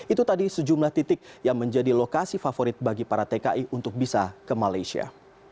itu tadi sejumlah titik yang menjadi lokasi favorit bagi para tki untuk bisa ke malaysia